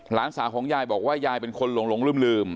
หลานสาวของยายบอกว่ายายเป็นคนหลงลืม